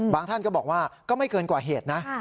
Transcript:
ท่านก็บอกว่าก็ไม่เกินกว่าเหตุนะ